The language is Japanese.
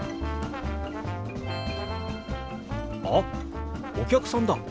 あっお客さんだ。